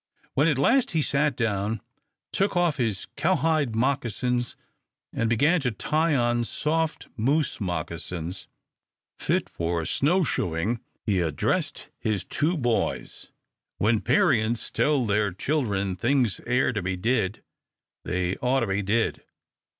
When at last he sat down, took off his cow hide moccasins, and began to tie on soft moose moccasins, fit for snow shoeing, he addressed his two boys. "When parients tell their children things air to be did, they ought to be did.